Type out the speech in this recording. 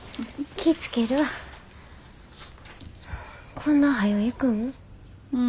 こんなはよ行くん？